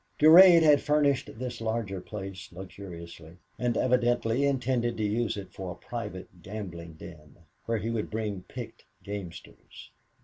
Durade had furnished this larger place luxuriously, and evidently intended to use it for a private gambling den, where he would bring picked gamesters.